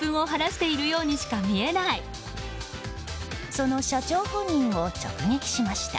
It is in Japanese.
その社長本人を直撃しました。